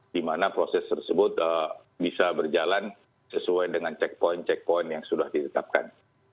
di mana proses tersebut bisa berjalan sesuai dengan checkpoint checkpoint yang sudah ditetapkan